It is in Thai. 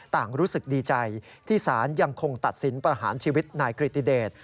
รู้สึกดีใจที่ศาลยังคงตัดสินประหารชีวิตนายกริติเดช